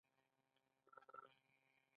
کلي د افغانستان د تکنالوژۍ پرمختګ سره تړاو لري.